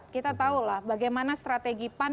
kita tahulah bagaimana strategi pan